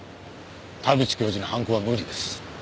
田口教授に犯行は無理です。